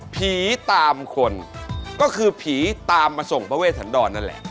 ผีตามคนก็คือผีตามมาส่งพระเวสันดรนั่นแหละ